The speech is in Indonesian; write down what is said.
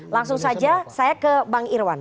langsung saja saya ke bang irwan